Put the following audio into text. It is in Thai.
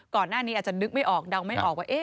ก่อนหน้านี้อาจจะนึกไม่ออกเดาไม่ออกว่า